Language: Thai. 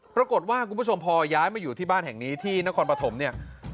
คุณผู้ชมพอย้ายมาอยู่ที่บ้านแห่งนี้ที่นครปฐมเนี่ย